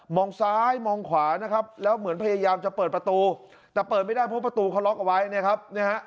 ซ้ายมองขวานะครับแล้วเหมือนพยายามจะเปิดประตูแต่เปิดไม่ได้เพราะประตูเขาล็อกเอาไว้เนี่ยครับนะฮะ